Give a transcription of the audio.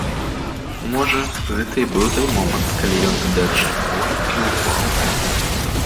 Можа, гэта і быў той момант, калі ён тады адчуў боль і ўпаў.